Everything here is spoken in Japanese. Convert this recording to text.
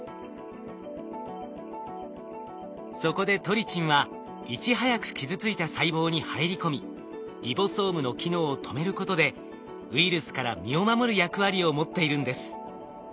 そこでトリチンはいち早く傷ついた細胞に入り込みリボソームの機能を止めることでウイルスから身を守る役割を持っているんです。